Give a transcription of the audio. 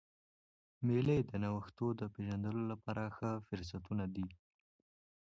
مېلې د نوښتو د پېژندلو له پاره ښه فرصتونه دي.